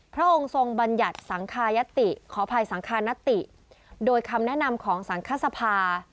พระองค์ทรงบัญญัติสังคายติขออภัยสังคานติโดยคำแนะนำของสังคสภา